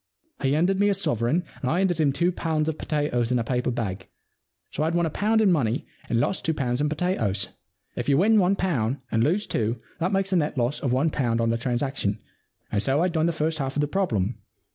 He handed me a sovereign and I handed him two pounds of potatoes in a paper bag. So I'd won a pound in money and lost two pounds in potatoes. If you win one pound and lose two, that makes a net loss of one pound on the transaction, and so I'd done the first half of the problem.